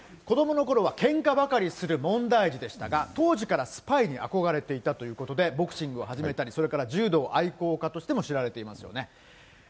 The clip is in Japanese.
子どものころはけんかばかりする問題児でしたが、当時からスパイにあこがれていたということで、ボクシングを始めたり、それから柔道愛好家としても知られていますよね。